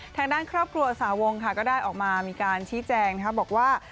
ทางด้านครอบครัวสาวงค่ะก็ได้ออกมามีการชี้แจงบอกว่า